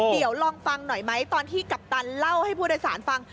เดี๋ยวลองฟังหน่อยไหมตอนที่กัปตันเล่าให้ผู้โดยสารฟัง